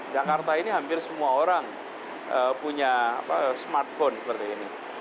jakarta ini hampir semua orang punya smartphone seperti ini